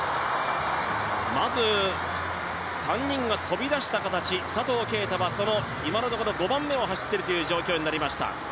まず３人が飛び出した形佐藤圭汰は、今のところ５番目を走っているという状況。